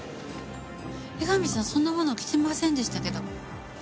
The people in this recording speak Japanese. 江上さんそんなもの着てませんでしたけど。